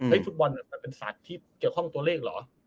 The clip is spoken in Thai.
ฟุตบอลมันเป็นศาสตร์ที่เกี่ยวข้องตัวเลขเหรอ